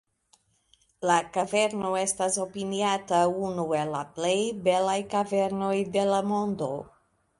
La kaverno estas opiniata unu el la plej belaj kavernoj de la mondo.